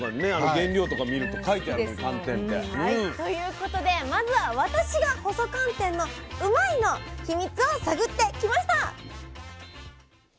原料とか見ると書いてあるもん寒天って。ということでまずは私が細寒天のうまいッ！の秘密を探ってきました！